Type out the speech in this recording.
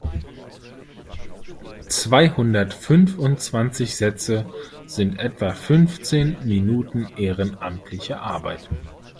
Zweihundertfünfundzwanzig Sätze sind etwa fünfzehn Minuten ehrenamtliche Arbeit.